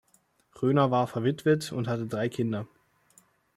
Röhner war verwitwet und hatte drei Kinder.